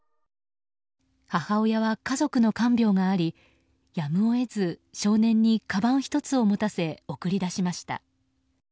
母親は家族の看病がありやむを得ず少年にかばん１つを持たせ送り出しました。